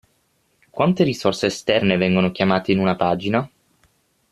Quante risorse esterne vengono chiamate in una pagina?